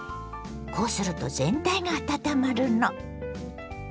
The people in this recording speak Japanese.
こうすると全体が温まるの。